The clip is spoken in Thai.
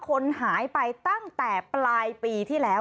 คนหายไปตั้งแต่ปลายปีที่แล้ว